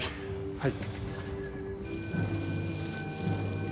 はい。